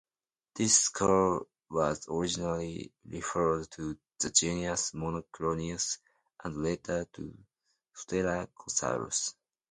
This skull was originally referred to the genus "Monoclonius" and later to "Styracosaurus".